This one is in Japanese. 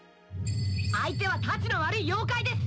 相手はたちの悪い妖怪です！